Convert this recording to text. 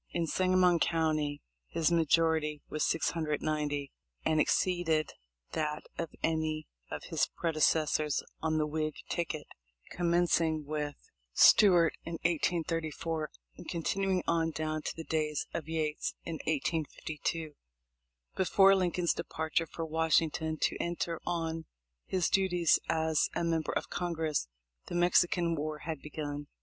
In Sangamon county his majority was 690, and exceeded that of any of his predecessors on the Whig ticket, commencing with 274 THE LIFE 0F LINCOLN. Stuart in 1834 and continuing on down to the days of Yates in 1852. Before Lincoln's departure for Washington to enter on his duties as a member of Congress, the Mexican war had begun.